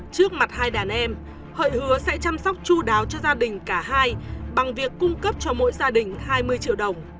trước mặt hai đàn em hội hứa sẽ chăm sóc chú đáo cho gia đình cả hai bằng việc cung cấp cho mỗi gia đình hai mươi triệu đồng